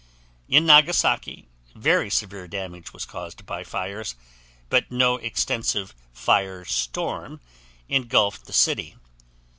In Nagasaki, very severe damage was caused by fires, but no extensive "fire storm" engulfed the city.